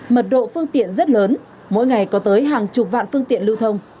mật độ phương tiện rất lớn mỗi ngày có tới hàng chục vạn phương tiện lưu thông